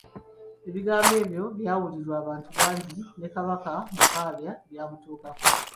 Ebigambo ebyo byawulirwa abantu bangi, ne Kabaka Mukaabya byamutuukako.